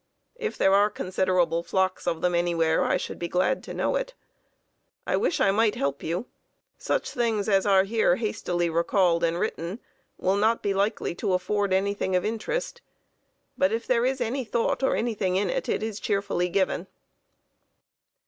If there are considerable flocks of them anywhere, I should be glad to know it. I wish I might help you. Such things as are here hastily recalled and written will not be likely to afford anything of interest, but if there is any thought or anything in it, it is cheerfully given.